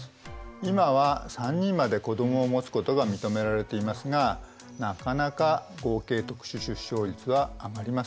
今は３人まで子どもを持つことが認められていますがなかなか合計特殊出生率は上がりません。